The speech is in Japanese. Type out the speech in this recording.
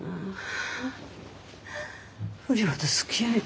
不良とつきあう。